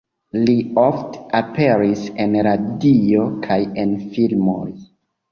Li ofte aperis en radio kaj en filmoj.